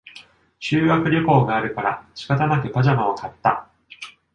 修学旅行があるから仕方なくパジャマを買った